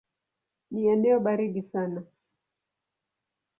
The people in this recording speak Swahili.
Ni eneo baridi sana.